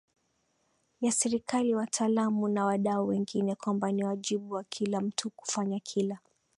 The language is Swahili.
ya serikali wataalamu na wadau wengine kwamba ni wajibu wa kila mtu kufanya kila